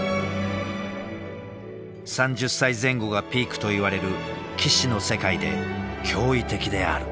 ３０歳前後がピークといわれる棋士の世界で驚異的である。